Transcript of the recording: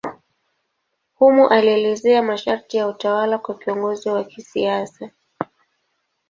Humo alieleza masharti ya utawala kwa kiongozi wa kisiasa.